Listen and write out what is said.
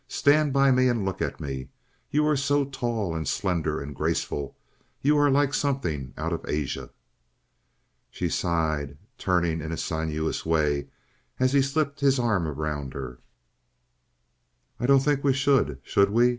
Stand by me and look at me. You are so tall and slender and graceful. You are like something out of Asia." She sighed, turning in a sinuous way, as he slipped his arm her. "I don't think we should, should we?"